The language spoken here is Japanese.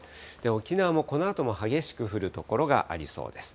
沖縄もこのあとも激しく降る所がありそうです。